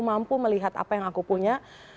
mampu melihat apa yang aku punya